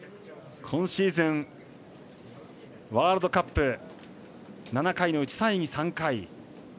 今シーズン、ワールドカップ７回のうち３位に３回。